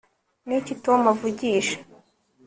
Niki Tom avugisha